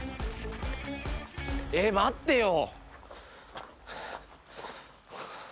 えっ待ってよ。